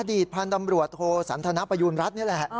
พันธ์ตำรวจโทสันทนประยูณรัฐนี่แหละ